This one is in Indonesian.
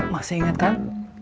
masih inget kan